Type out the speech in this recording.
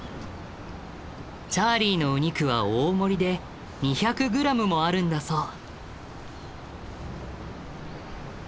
チャーリーのお肉は大盛りで２００グラムもあるんだそう。